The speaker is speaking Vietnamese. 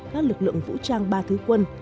các lực lượng vũ trang ba thứ quân